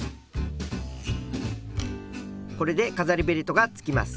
これで飾りベルトがつきます。